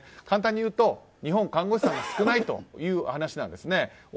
簡単に言うと日本、看護師さんが少ないという話です。